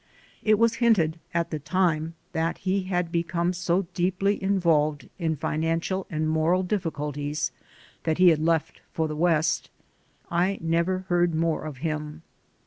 It was hinted at the time that he had become so deeply involved in financial and moral difficulties that he had left for the West. I never heard more of him.